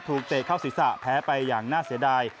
เตะเข้าศีรษะแพ้ไปอย่างน่าเสียดาย